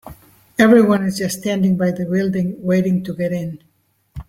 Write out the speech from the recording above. Everyone is just standing by the building, waiting to get in.